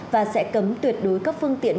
và sẽ cấm tuyệt đối các phương tiện